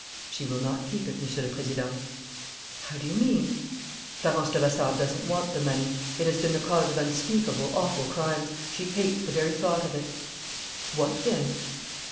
"She will not keep it, Monsieur le Président." "How do you mean?" "Florence Levasseur doesn't want the money. It has been the cause of unspeakably awful crimes. She hates the very thought of it." "What then?"